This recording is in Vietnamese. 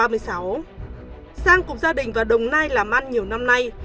sang cùng gia đình và đồng nai làm ăn nhiều năm nay